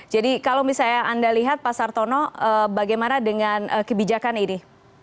jadi kalau misalnya anda lihat pak sartono bagaimana dengan kebijakan ini